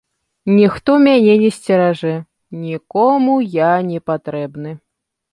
Ніхто мяне не сцеражэ, нікому я не патрэбны.